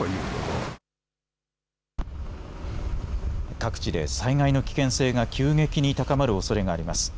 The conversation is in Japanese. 各地で災害の危険性が急激に高まるおそれがあります。